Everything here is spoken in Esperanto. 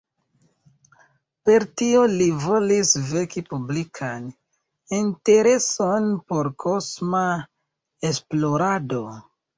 Per tio li volis veki publikan intereson por kosma esplorado.